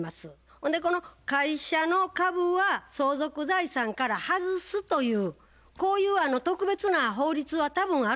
ほんでこの会社の株は相続財産から外すというこういう特別な法律は多分あると思うんですよ。